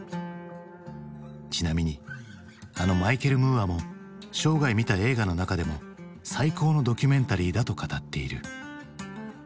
ちなみにあのマイケル・ムーアも「生涯観た映画の中でも最高のドキュメンタリーだ」と語っている。